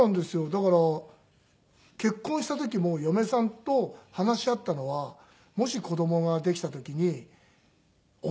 だから結婚した時も嫁さんと話し合ったのはもし子供ができた時に怒るのはやめようって。